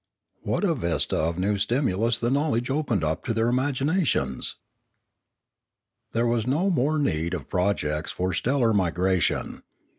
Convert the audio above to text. What a vista Ethics 567 of new stimulus the knowledge opened up to their imaginations! There was no more need of projects for stellar migra tion.